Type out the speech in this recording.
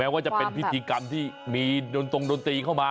ว่าจะเป็นพิธีกรรมที่มีดนตรงดนตรีเข้ามา